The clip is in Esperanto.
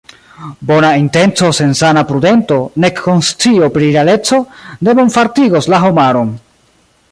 Bona intenco sen sana prudento, nek konscio pri realeco, ne bonfartigos la homaron.